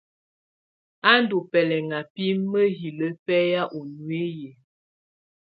A ndù bɛlɛʼŋa bi mǝhilǝ bɛhaa u nuiyi.